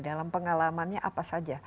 dalam pengalamannya apa saja